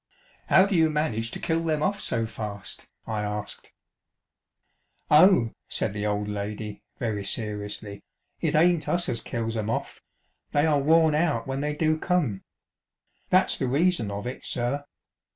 " How do you manage to kill them off so fast ?" I asked. " Oh," said the old lady very seriously, " it aint us as kills 'em off; they are worn out when they do come That's the reason of it, sir.